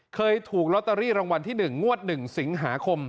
เคยถูกลอตเตอรี่รางวัลที่๑งวด๑สิงหาคม